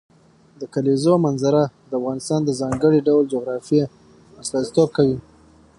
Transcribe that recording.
د کلیزو منظره د افغانستان د ځانګړي ډول جغرافیه استازیتوب کوي.